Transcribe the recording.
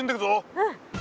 うん。